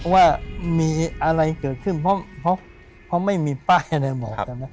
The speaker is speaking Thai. ว่ามีอะไรเกิดขึ้นเพราะไม่มีป้ายอะไรหมด